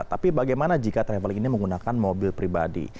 tapi bagaimana jika traveling ini menggunakan mobil pribadi